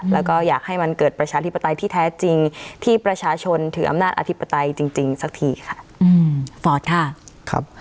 แล้วก็อยากให้มันเกิดประชาธิปไตยที่แท้จริงที่ประชาชนถืออำนาจอธิปไตยจริงสักทีค่ะฟอร์ดค่ะครับ